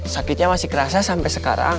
sakitnya masih kerasa sampai sekarang